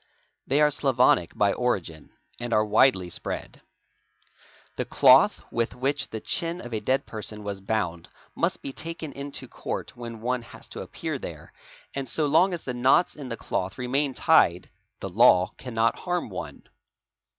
They are Slavonic by origin, and are widely spread. The cloth with which — the chin of a dead person was bound must be taken into Court when one — has to appear there, and so long as the knots in the cloth remain tied, the — law cannot harm one.